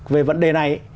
về vận đề này